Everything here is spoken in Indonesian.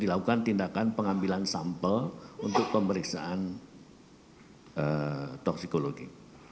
dilakukan tindakan pengambilan sampel untuk pemeriksaan toksikologi